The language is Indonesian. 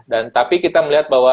dan tapi kita melihat bahwa